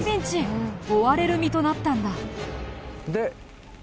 追われる身となったんだ。